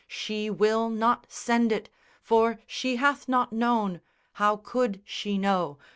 She will not send it! For she hath not known (How could she know?)